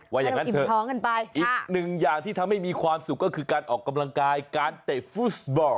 เอาล่ะอย่างนั้นอีกหนึ่งอย่างที่ทำให้มีความสุขก็คือการออกกำลังกายการเตะฟุตบอล